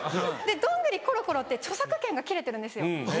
『どんぐりころころ』って著作権が切れてるんですよ。